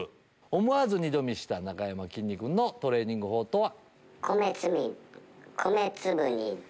思わず二度見したなかやまきんに君のトレーニング法は？